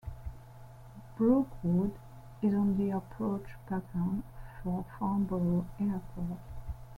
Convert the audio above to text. Brookwood is on the approach pattern for Farnborough airport.